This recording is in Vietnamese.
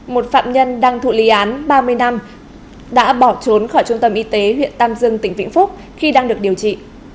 một phạm nhân đang thụ lý án ba mươi năm đã bỏ trốn khỏi trung tâm y tế huyện tam dương tỉnh vĩnh phúc khi đang được điều trị